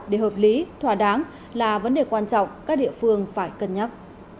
để hợp lý thỏa đáng là vấn đề quan trọng các địa phương phải cân nhắc